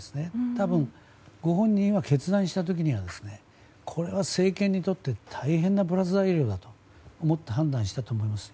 多分、ご本人は決断した時にはこれは政権にとって大変なプラス材料だと思って判断したと思うんです。